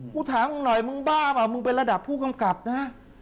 กูถามมึงหน่อยมึงบ้าเปล่ามึงเป็นระดับผู้กำกับนะ